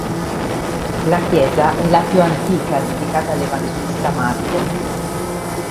La chiesa è la più antica dedicata all'Evangelista Marco.